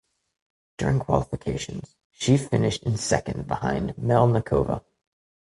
During qualifications she finished in second behind Melnikova.